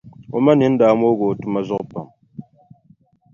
O ma nini daa moogi o tuma zuɣu pam.